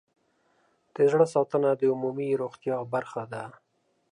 د زړه ساتنه د عمومي روغتیا برخه ده.